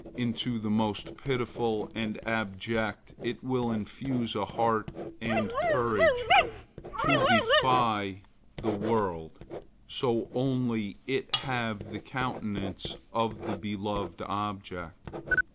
Into the most pitiful and abject it will infuse a heart and courage to defy the world, so only it have the countenance of the beloved object.